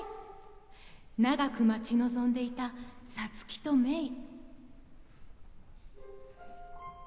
長く待ち望んでいたサツキとメイ。